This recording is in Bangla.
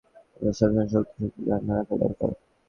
আমাদের সবসময় শত্রুর শক্তি ধারণা রাখা দরকার!